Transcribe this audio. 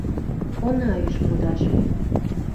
Она ӱж модаш ме.